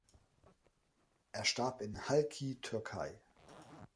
Er starb in Halki, Türkei.